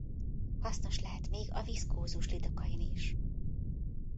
Hasznos lehet még a viszkózus lidokain is.